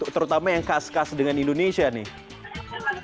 terutama yang khas khas dengan indonesia nih